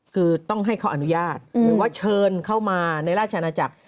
คือต้องให้เขาอนุญาตหรือว่าเชิญเข้ามาในราชอาณาจักร